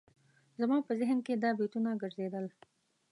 زما په ذهن کې دا بیتونه ګرځېدل.